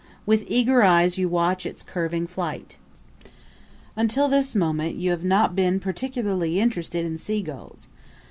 With eager eyes you watch its curving flight. Until this moment you have not been particularly interested in sea gulls.